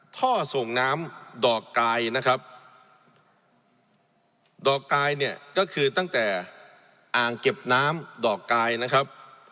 ท่อส่งน้ำดอกกายนะครับดอกกายเนี่ยก็คือตั้งแต่อ่างเก็บน้ำดอกกายนะครับ